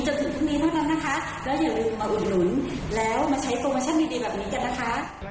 จนถึงพรุ่งนี้เท่านั้นนะคะแล้วอย่าลืมมาอุดหนุนแล้วมาใช้โปรโมชั่นดีดีแบบนี้กันนะคะ